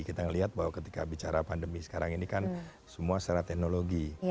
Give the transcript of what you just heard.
kita melihat bahwa ketika bicara pandemi sekarang ini kan semua secara teknologi